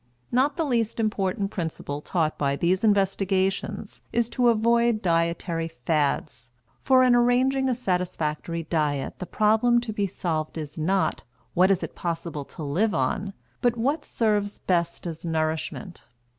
Not the least important principle taught by these investigations is to avoid dietary fads, for in arranging a satisfactory diet the problem to be solved is not, What is it possible to live on? but, What serves best as nourishment?